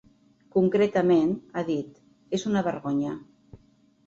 Concretament, ha dit: És una vergonya.